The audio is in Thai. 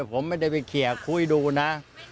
ผมไม่ได้ไปเคลียร์คุยดูนะ